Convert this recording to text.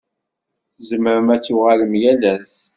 Tzemrem ad tuɣalem yal ass.